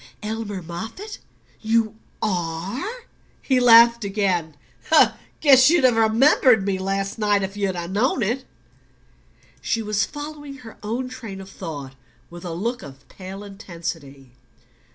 "Elmer Moffatt you ARE?" He laughed again. "Guess you'd have remembered me last night if you'd known it." She was following her own train of thought with a look of pale intensity.